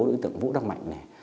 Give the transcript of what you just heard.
đối tượng vũ đằng mạnh